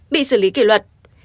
bị xử lý kỷ luật